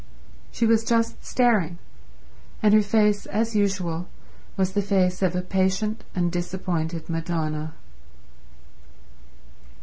She was just staring; and her face, as usual, was the face of a patient and disappointed Madonna.